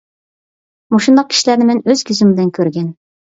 مۇشۇنداق كىشىلەرنى مەن ئۆز كۈزۈم بىلەن كۆرگەن.